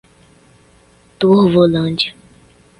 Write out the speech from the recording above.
Turvolândia